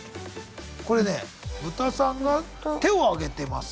これねえブタさんが手を挙げてます。